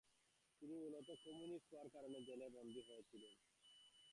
তিনি মূলত কমিউনিস্ট হওয়ার কারণে জেলে বন্দী হয়েছিলেন।